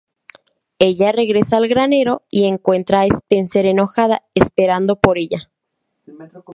Ella regresa al granero, y encuentra a Spencer enojada, esperando por ella.